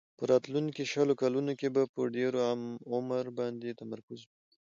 په راتلونکو شلو کلونو کې به په ډېر عمر باندې تمرکز وي.